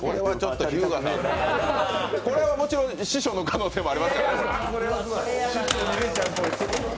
これはもちろん師匠の可能性もありますからね。